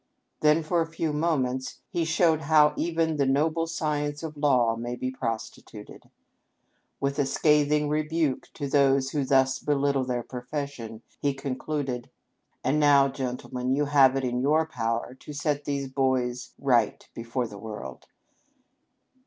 Then for a few minutes he showed how even the noble science of law may be prostituted. With a scathing rebuke to those who thus belittle their profession, he con cluded :■ And now, gentlemen, you have it in your power to set these boys right before the world.'